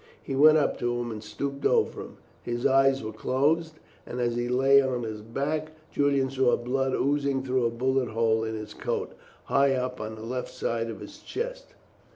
He went up to him, and stooped over him. His eyes were closed, and as he lay on his back Julian saw blood oozing through a bullet hole in his coat high up on the left side of the chest.